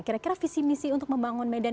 kira kira visi misi untuk membangun medan